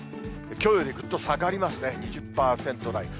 きょうよりぐっと下がりますね。